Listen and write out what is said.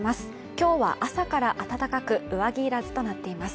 今日は朝から暖かく上着いらずとなっています